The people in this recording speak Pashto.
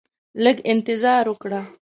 لږ انتظار وکړه